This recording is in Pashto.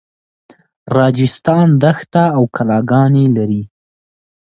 راجستان دښته او کلاګانې لري.